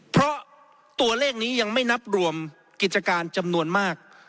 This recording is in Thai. เพราะตัวเลขนี้ยังไม่นับรวมกิจการจำนวนมาก